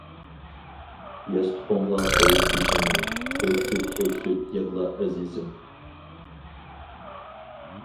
ياستۇقۇڭغا قويۇپ بېشىڭنى، ئۆكسۈپ-ئۆكسۈپ يىغلا ئەزىزىم.